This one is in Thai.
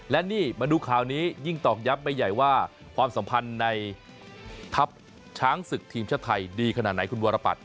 และนี่มาดูข่าวนี้ยิ่งตอกย้ำไปใหญ่ว่าความสัมพันธ์ในทัพช้างศึกทีมชาติไทยดีขนาดไหนคุณวรปัต